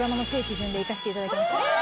行かせていただきました。